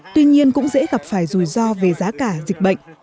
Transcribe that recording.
tuy nhiên cũng dễ gặp phải rủi ro về giá cả dịch bệnh